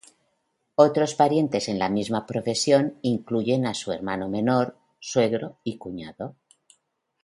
Otros parientes en la misma profesión incluyen a su hermano menor, suegro y cuñado.